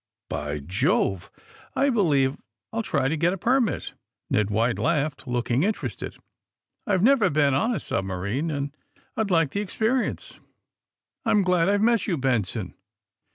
^' By Jove ! I believe I '11 try to get a permit, ^' Ned White laughed, looking interested. IVe never been on a submarine and I'd like the ex perience. I'm glad I've met you, Benson."